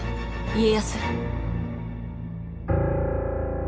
家康。